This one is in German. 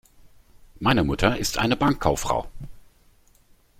Meine Mutter ist eine Bankkauffrau.